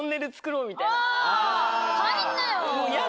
入んなよ。